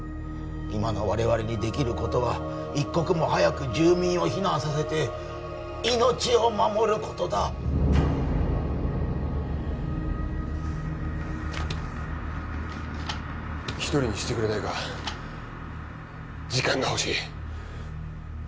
今の我々にできることは一刻も早く住民を避難させて命を守ることだ一人にしてくれないか時間がほしい